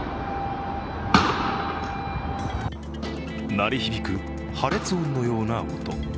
鳴り響く破裂音のような音。